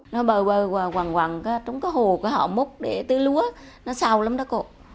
nó bờ bờ hoàng hoàng trong cái hồ họ múc để tư lúa nó xào lắm đó cậu